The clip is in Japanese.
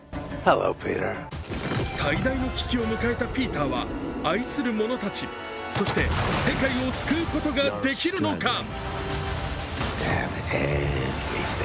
最大の危機を迎えたピーターは愛する者たち、そして世界を救うことができるのか。